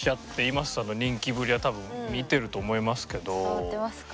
伝わってますか？